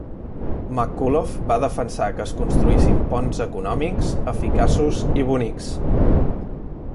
McCullough va defensar que es construïssin ponts econòmics, eficaços i bonics.